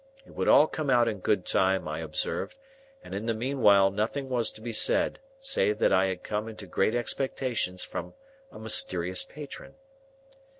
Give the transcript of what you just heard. It would all come out in good time, I observed, and in the meanwhile nothing was to be said, save that I had come into great expectations from a mysterious patron.